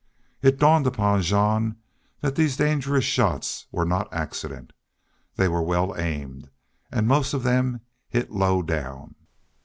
It dawned upon Jean that these dangerous shots were not accident. They were well aimed, and most of them hit low down.